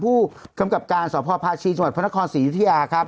ผู้กำกับการสภภาชีจพนครศรียุธิยาครับ